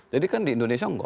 jadi kan di indonesia enggak